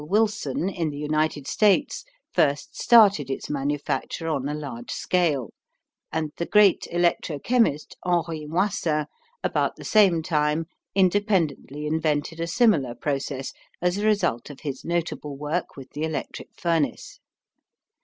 Willson in the United States first started its manufacture on a large scale, and the great electrochemist, Henri Moissin, about the same time independently invented a similar process as a result of his notable work with the electric furnace.